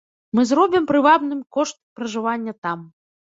Мы зробім прывабным кошт пражывання там.